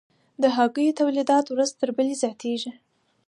د هګیو تولیدات ورځ تر بلې زیاتیږي